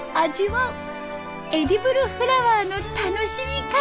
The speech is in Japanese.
エディブルフラワーの楽しみ方。